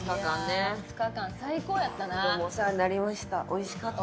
どうもお世話になりました。